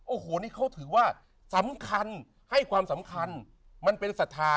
โอ้โหนี่เขาถือว่าสำคัญให้ความสำคัญมันเป็นศรัทธา